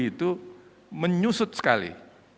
itu menyusut sekali